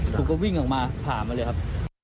ผมก็วิ่งออกมาผ่ามาเลยครับ